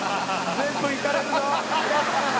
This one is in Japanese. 「全部いかれるぞ！」